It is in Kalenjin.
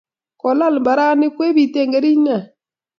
Ngolal mbaranni kwepitee kerich nee